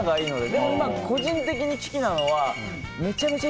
でも、個人的に危機なのはめちゃめちゃ